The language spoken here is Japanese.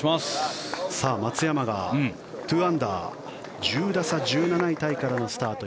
松山が２アンダー１０打差、１７位タイからのスタート。